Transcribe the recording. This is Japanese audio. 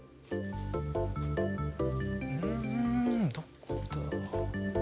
うんどこだ？